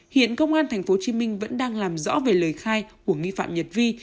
hiện công an tp hcm vẫn đang làm rõ về lời khai của nghi phạm nhật vi